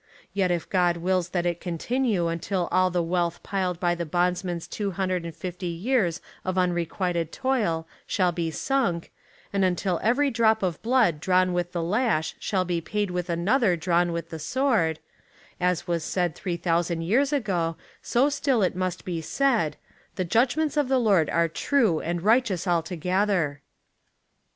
Yet If God wills that It continue until all the wealth piled by the bondsman's two hundred and fifty years of un requited toll shall be sunk, and until every drop of blood drawn with the lash shall be paid with another drawn with the sword; as was said three thousand years ago, so still It must be said, 'the judgments of the Lord are true and righteous altogether.'